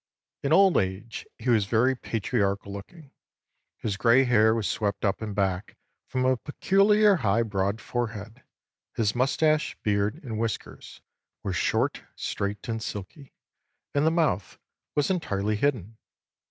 In old age he was very patriarchal looking. His gray hair was swept up and back from a peculiarly high broad forehead; his moustache, beard, and whiskers were short, straight, and silky, and the mouth was entirely hidden.